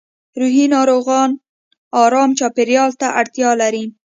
روحي ناروغان ارام چاپېریال ته اړتیا لري